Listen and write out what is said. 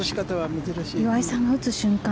岩井さんが打つ瞬間